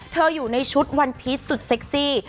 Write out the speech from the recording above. อยู่ในชุดวันพีชสุดเซ็กซี่